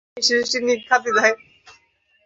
ওহ baby তুমি।